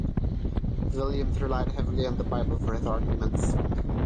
Williams relied heavily on the Bible for his arguments.